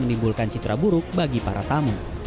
menimbulkan citra buruk bagi para tamu